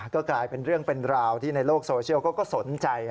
ก็กลายเป็นเรื่องเป็นราวที่ในโลกโซเชียลก็สนใจ